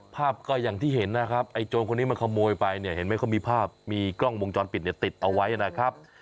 ภาพก็อย่างที่เห็นนะครับไอ้โจรคนนี้มันขโมยไปเนี่ยเห็นไหมเขามีภาพมีกล้องวงจรปิดเนี่ยติดเอาไว้นะครับ